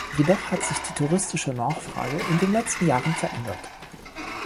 Jedoch hat sich die touristische Nachfrage in den letzten Jahren verändert.